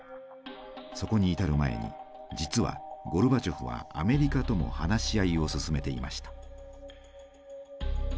そこに至る前に実はゴルバチョフはアメリカとも話し合いを進めていました。